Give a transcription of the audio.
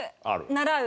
習う？